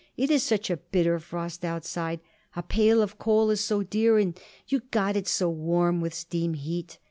It is such a bitter frost outside; a pail of coal is so dear, and you got it so warm with steam heat.